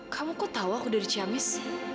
kamu kok tau aku udah di ciamis